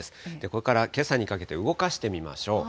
これからけさにかけて動かしてみましょう。